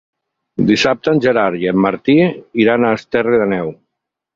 Dissabte en Gerard i en Martí iran a Esterri d'Àneu.